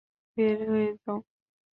বের হয়ে যাও।